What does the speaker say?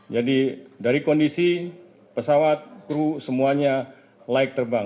jadi dari kondisi pesawat kru semuanya layak terbang